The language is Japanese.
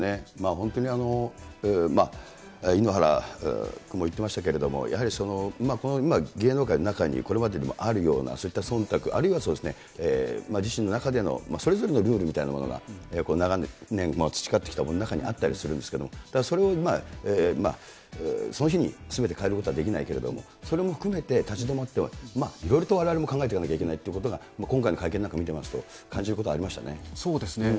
本当に、井ノ原君も言っていましたけれども、やはり芸能界の中に、これまでにもあるような、そういったそんたく、あるいはそうですね、自身の中でのそれぞれのルールみたいなものが、長年培ってきたものの中にあったりするんですけど、それを、その日にすべて変えることはできないけれども、それも含めて、立ち止まって、いろいろとわれわれも考えていかなければいけないというのは、今回の会見なんか見てますと、感じることありましたそうですね。